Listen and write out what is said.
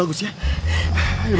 aku merasa pening